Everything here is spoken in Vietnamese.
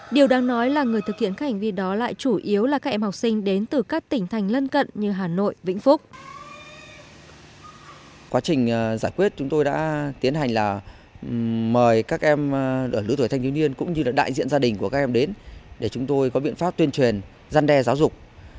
điều đang nói là người thực hiện các hành vi đó lại chủ yếu là các em học sinh đến từ các tỉnh thành lân cận như hà nội vĩnh phúc